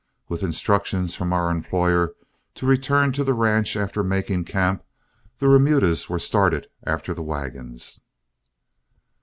With instructions from our employer to return to the ranch after making camp, the remudas were started after the wagons.